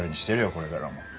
これからも。